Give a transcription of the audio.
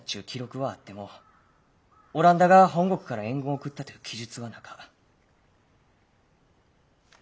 記録はあってもオランダが本国から援軍を送ったという記述はなか。